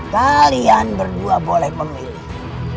kalian berdua boleh memilih